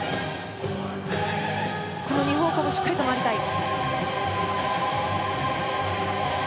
２方向もしっかりと回りたい。